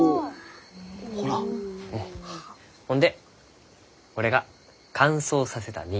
ほんでこれが乾燥させた実。